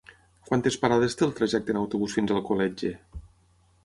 Quantes parades té el trajecte en autobús fins a Alcoletge?